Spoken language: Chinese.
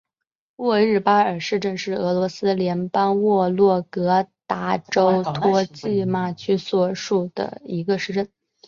沃日巴尔市镇是俄罗斯联邦沃洛格达州托季马区所属的一个市镇。